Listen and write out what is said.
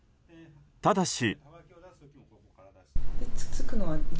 ただし。